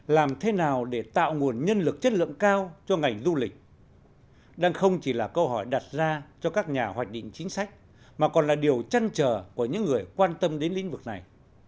làm thế nào để tạo nguồn nhân lực chất lượng cao cho ngành du lịch đang không chỉ là câu hỏi đặt ra cho các nhà hoạch định chính sách mà còn là điều chăn trở của những người quan tâm đến lĩnh vực này